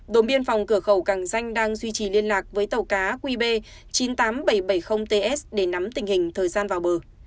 đồn biên phòng cửa khẩu càng danh đang duy trì liên lạc với tàu cá qb chín mươi tám nghìn bảy trăm bảy mươi ts để nắm tình hình thời gian vào bờ